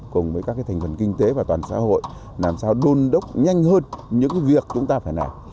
cùng với các thành phần kinh tế và toàn xã hội làm sao đôn đốc nhanh hơn những việc chúng ta phải làm